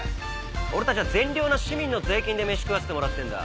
俺たちは善良な市民の税金でメシ食わせてもらってんだ。